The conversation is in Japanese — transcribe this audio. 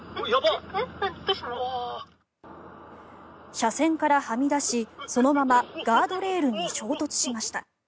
車線からはみ出し、そのままガードレールに衝突しました。